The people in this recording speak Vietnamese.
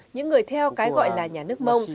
những người theo cái gọi là nhà nước mông